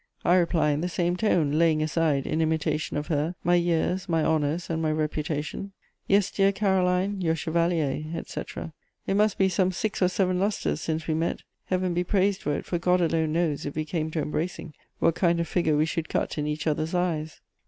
I reply in the same tone, laying aside, in imitation of her, my years, my honours and my reputation: "Yes, dear Caroline, your chevalier," etc. It must be some six or seven lustres since we met: Heaven be praised for it, for God alone knows, if we came to embracing, what kind of figure we should cut in each other's eyes!